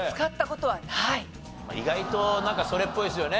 意外となんかそれっぽいですよね。